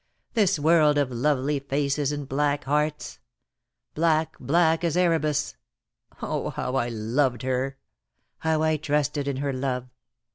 This world of lovely faces and black hearts. Black, black as Erebus. Oh, how I loved her! How I trusted in her love!